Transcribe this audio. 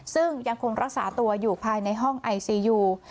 ซึ่งยังคงรักษาตัวอยู่ภายในห้องไอซียู